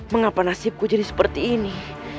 mengapa nasibku jadi seperti ini